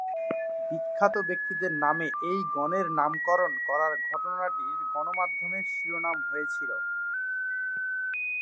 বিখ্যাত ব্যক্তিদের নামে এই গণের নামকরণ করার ঘটনাটি গণমাধ্যমে শিরোনাম হয়েছিল।